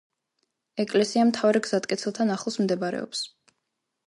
ეკლესია მთავარ გზატკეცილთან ახლოს მდებარეობს.